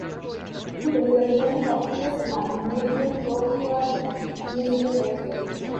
Today the remaining of this line make the Jokioinen Museum Railway.